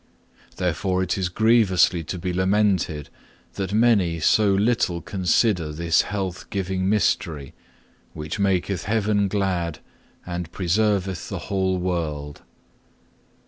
Therefore it is grievously to be lamented that many so little consider this health giving mystery, which maketh heaven glad and preserveth the whole world.